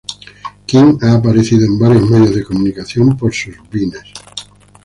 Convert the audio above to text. King ha aparecido en varios medios de comunicación por sus Vines.